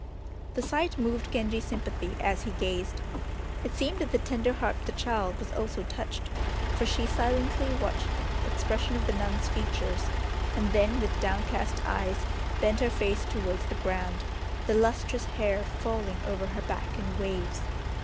The sight moved Genji's sympathy as he gazed. It seemed that the tender heart of the child was also touched, for she silently watched the expression of the nun's features, and then with downcast eyes bent her face towards the ground, the lustrous hair falling over her back in waves.